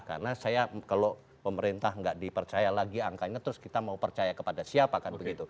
karena saya kalau pemerintah nggak dipercaya lagi angkanya terus kita mau percaya kepada siapa kan begitu